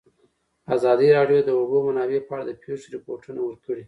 ازادي راډیو د د اوبو منابع په اړه د پېښو رپوټونه ورکړي.